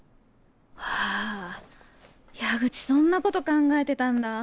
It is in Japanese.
はぁ矢口そんなこと考えてたんだ。